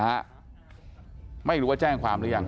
ครับพี่หนูเป็นช้างแต่งหน้านะ